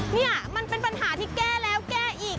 นี่มันเป็นปัญหาที่แก้แล้วแก้อีก